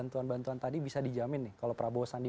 tuan tuan tadi bisa dijamin nih kalau prabowo sandi